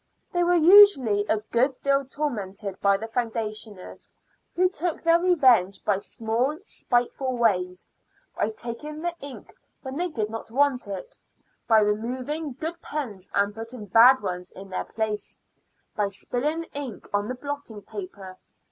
They were usually a good deal tormented by the foundationers, who took their revenge by small spiteful ways by taking the ink when they did not want it, by removing good pens and putting bad ones in their places, by spilling ink on the blotting paper.